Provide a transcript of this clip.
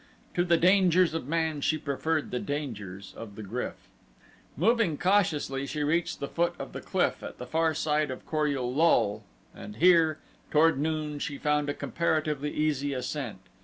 To the dangers of man she preferred the dangers of the GRYF. Moving cautiously she reached the foot of the cliff at the far side of Kor ul lul and here, toward noon, she found a comparatively easy ascent.